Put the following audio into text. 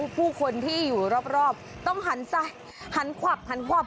ผู้คนที่อยู่รอบต้องหันซ้ายหันขวับหันขวับ